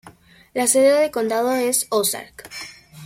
La sede de condado es Ozark.